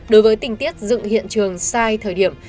đối với tình tiết dựng hiện trường sai thời điểm